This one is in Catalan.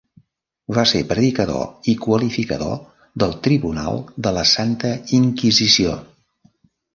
Va ser predicador i qualificador del tribunal de la Santa Inquisició.